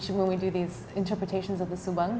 ketika kita melakukan interpretasi subang